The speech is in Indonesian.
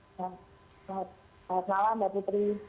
selamat malam mbak putri